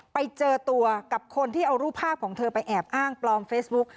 ไปเจอตัวกับคนที่เอารูปภาพของเธอไปแอบอ้างปลอมเฟซบุ๊ก